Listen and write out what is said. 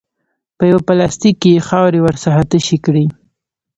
په یوه پلاستیک کې یې خاورې ورڅخه تشې کړې.